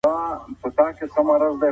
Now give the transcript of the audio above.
که پانګونه ډېره سي کاري فرصتونه به پیدا سي.